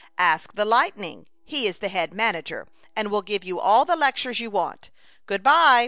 Ask the lightning. He is the head manager, and will give you all the lectures you want. Good by!